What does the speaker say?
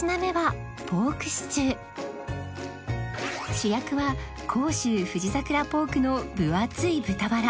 主役は甲州富士桜ポークの分厚い豚バラ